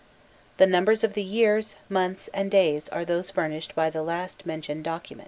The numbers of the years, months, and days are those furnished by the last mentioned document.